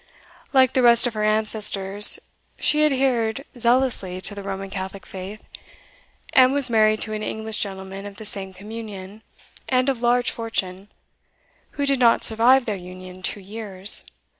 Like the rest of her ancestors, she adhered zealously to the Roman Catholic faith, and was married to an English gentleman of the same communion, and of large fortune, who did not survive their union two years.